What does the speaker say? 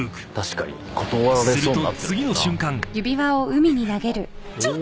［すると次の瞬間］